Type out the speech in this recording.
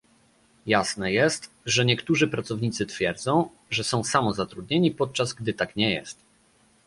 Jasne jest, że niektórzy pracownicy twierdzą, że są samozatrudnieni, podczas gdy tak nie jest